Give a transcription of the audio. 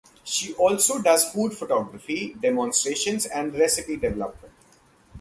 She also does food photography, demonstrations and recipe development.